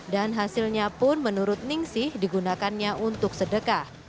dan hasilnya pun menurut ning siti digunakannya untuk sedekah